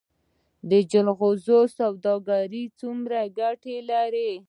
د جلغوزیو سوداګري څومره ګټه لري؟